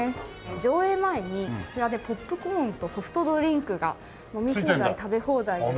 上映前にこちらでポップコーンとソフトドリンクが飲み放題食べ放題で楽しめる。